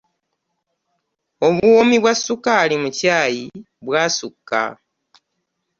Obuwoomi bwa ssukaali mu caayi bwasukka!